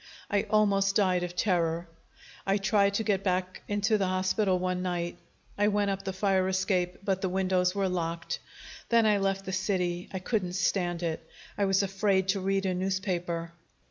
I almost died of terror. "I tried to get back into the hospital one night. I went up the fire escape, but the windows were locked. Then I left the city. I couldn't stand it. I was afraid to read a newspaper.